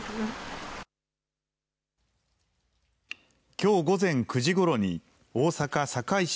きょう午前９時ごろに大阪堺市